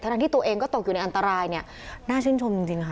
ทั้งที่ตัวเองก็ตกอยู่ในอันตรายเนี่ยน่าชื่นชมจริงค่ะ